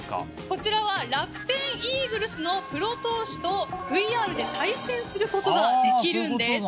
楽天イーグルスのプロ投手とＶＲで対戦することができるんです。